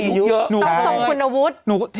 ต้องส่งคุณอาวุธ